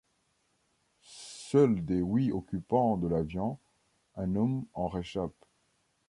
Seul des huit occupants de l’avion, un homme en réchappe.